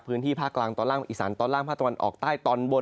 พื้นที่ภาคกลางตอนล่างอีสานตอนล่างภาคตะวันออกใต้ตอนบน